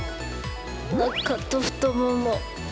おなかと太もも。